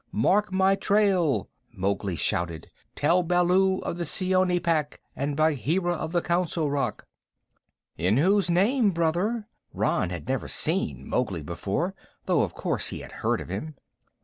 "Mark my trail!" Mowgli shouted. "Tell Baloo of the Seeonee Pack and Bagheera of the Council Rock." "In whose name, Brother?" Rann had never seen Mowgli before, though of course he had heard of him.